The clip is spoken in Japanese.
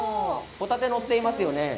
ホタテが載っていますよね。